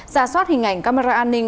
giả soát hình ảnh camera an ninh